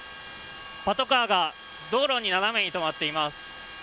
パトカーが道路に斜めに止まっています。